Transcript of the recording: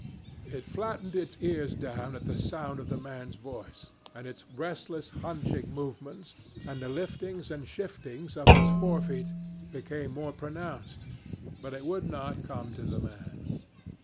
It flattened its ears down at the sound of the man's voice, and its restless, hunching movements and the liftings and shiftings of its forefeet became more pronounced but it would not come to the man.